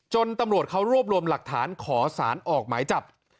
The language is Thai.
ตำรวจเขารวบรวมหลักฐานขอสารออกหมายจับ